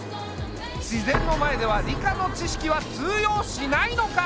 自然の前では理科の知識は通用しないのか？